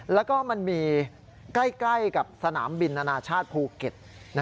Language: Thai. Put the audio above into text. แล้วก็มันมีใกล้กับสนามบินอนาชาติภูเก็ต